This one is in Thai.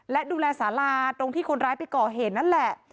และดูแลสาราตรงที่คนร้ายไปก่อเหตุนั่นแหละ